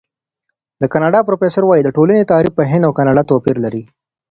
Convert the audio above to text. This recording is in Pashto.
د کاناډا پروفیسور وايي، د ټولنې تعریف په هند او کاناډا توپیر لري.